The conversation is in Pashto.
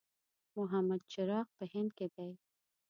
محمد چراغ په هند کې دی.